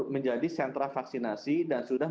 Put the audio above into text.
menjadi sentra vaksinasi dan sudah